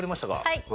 はい。